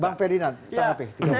bang ferdinand tanggapi